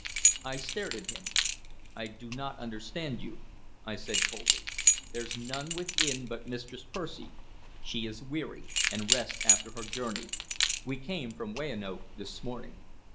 I stared at him. "I do not understand you," I said coldly. "There 's none within but Mistress Percy. She is weary, and rests after her journey. We came from Weyanoke this morning."